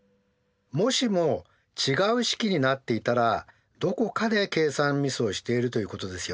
もしも違う式になっていたらどこかで計算ミスをしているということですよね。